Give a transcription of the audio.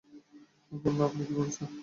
বলল, আপনি কী করেছেন?